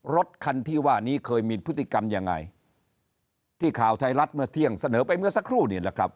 รถคันที่ว่านี้เคยมีพฤติกรรมยังไงที่ข่าวไทยรัฐเมื่อเที่ยงเสนอไปเมื่อสักครู่นี่แหละครับ